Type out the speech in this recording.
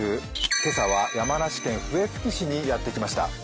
今朝は山梨県笛吹市にやって来ました。